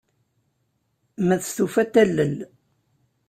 Ma testufa, ad t-talel.